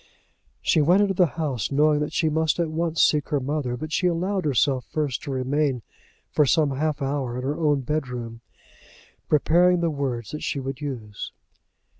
She went into the house knowing that she must at once seek her mother; but she allowed herself first to remain for some half hour in her own bedroom, preparing the words that she would use.